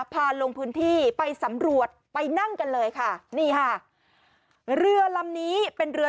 พาลงพื้นที่ไปสำรวจไปนั่งกันเลยค่ะนี่ค่ะเรือลำนี้เป็นเรือ